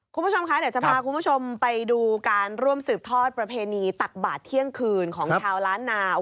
คุณผู้ชมคะเดี๋ยวจะพาคุณผู้ชมไปดูการร่วมสืบทอดประเพณีตักบาทเที่ยงคืนของชาวล้านนาว